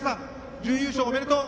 準優勝おめでとう。